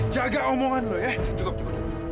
jaga omongan lu ya